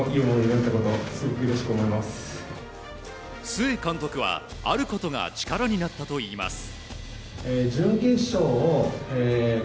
須江監督はあることが力になったといいます。